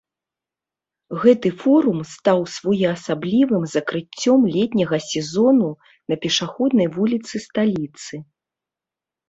Гэты форум стаў своеасаблівым закрыццём летняга сезону на пешаходнай вуліцы сталіцы.